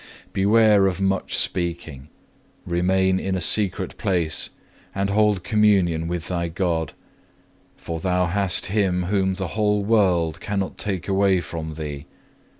Beware of much speaking; remain in a secret place, and hold communion with thy God; for thou hast Him whom the whole world cannot take away from thee.